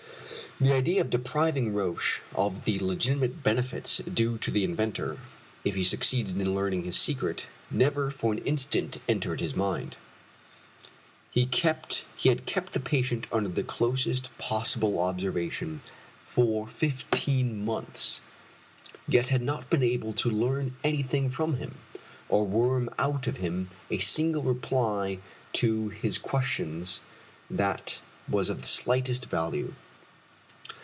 The idea of depriving Roch of the legitimate benefits due to the inventor, if he succeeded in learning his secret, never for an instant entered his mind. He had kept the patient under the closest possible observation for fifteen months yet had not been able to learn anything from him, or worm out of him a single reply to his questions that was of the slightest value.